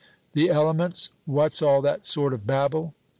The elements! What's all that sort of babble?"